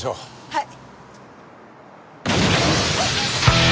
はい。